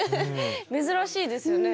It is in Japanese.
珍しいですよね。